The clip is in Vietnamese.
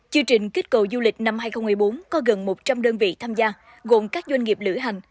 chương trình kích cầu du lịch năm hai nghìn một mươi bốn có gần một trăm linh đơn vị tham gia gồm các doanh nghiệp lữ hành